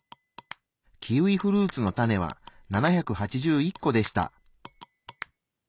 キウイフルーツのタネは７８１個でした。